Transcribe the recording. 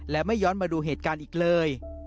และไม่ย้อนมาดูเหตุการณ์อีกเลย